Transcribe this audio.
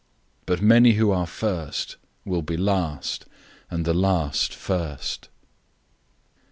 010:031 But many who are first will be last; and the last first."